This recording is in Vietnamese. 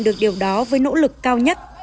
đó với nỗ lực cao nhất